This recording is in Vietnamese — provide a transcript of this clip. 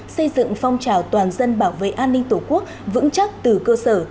xây dựng phong trào toàn dân bảo vệ an ninh tổ quốc vững chắc từ cơ sở